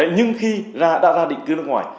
nhưng khi đã ra định cư nước ngoài